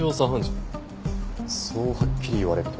そうはっきり言われると。